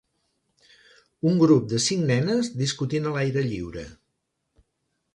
Un grup de cinc nenes discutint a l'aire lliure.